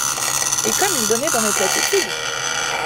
Et comme il donnait dans mes platitudes !